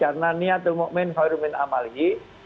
karena niat tulmu'min khairu'min amalihi